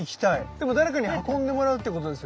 でも誰かに運んでもらうってことですよね？